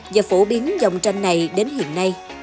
và phổ biến dòng tranh này đến hiện nay